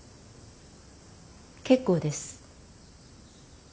結構です。